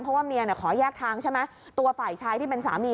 เพราะว่าเมียขอแยกทางใช่ไหมตัวฝ่ายชายที่เป็นสามี